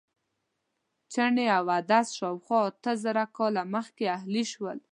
چڼې او عدس شاوخوا اته زره کاله مخکې اهلي شول.